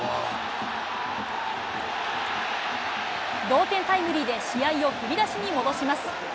同点タイムリーで試合を振り出しに戻します。